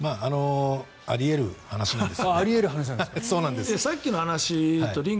あり得る話なんです。